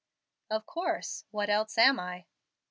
"Of course. What else am I?"